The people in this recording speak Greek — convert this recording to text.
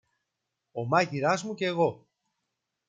ο μάγειρας μου κι εγώ!